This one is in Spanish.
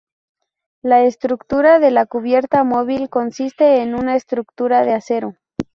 La estructura de la cubierta móvil consiste en una estructura de acero.